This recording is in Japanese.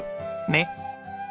ねっ！